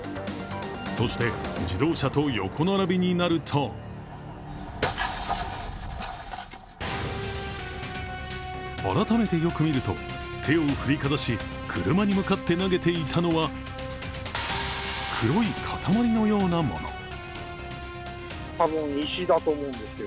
そして、自動車と横並びになると改めてよく見ると、手を振りかざし車に向かって投げていたのは黒い塊のようなもの。